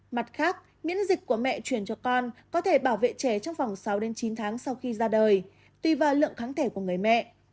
mặt khác miễn dịch của mẹ truyền cho con có thể bảo vệ trẻ trong vòng sáu chín tháng sau khi ra đời tùy vào lượng kháng thể của người mẹ